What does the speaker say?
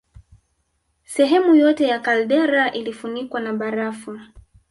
Sehemu yote ya kaldera ilifunikwa na barafu